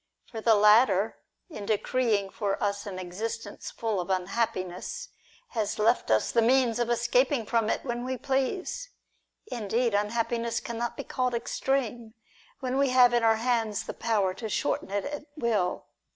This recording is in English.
For the latter, in decreeing for us an existence full of unhappiness, has left us the means of escaping from it when we please. Indeed, unhappiness cannot be called extreme, when we have in our hands the power to shorten it at will.